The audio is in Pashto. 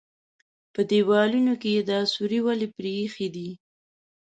_په دېوالونو کې يې دا سوري ولې پرېښي دي؟